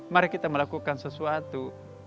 mari kita melakukan sesuatu